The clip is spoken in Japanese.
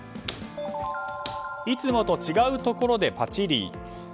いつもと違うところでパチリ。